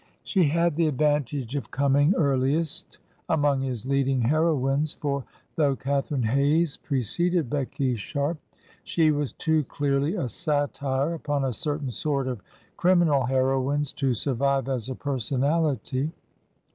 She had the advantage of coming earliest among his leading her oines, for, though Catharine Hayes preceded Becky Sharp, she was too clearly a satire upon a certain sort of criminal heroines to survive as a personality.